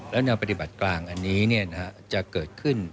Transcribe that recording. แล้วแนวปฏิบัติกลางอันนี้จะเกิดขึ้น